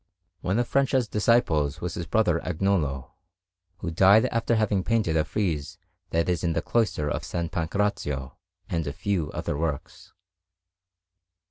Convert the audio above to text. One of Francia's disciples was his brother Agnolo, who died after having painted a frieze that is in the cloister of S. Pancrazio, and a few other works.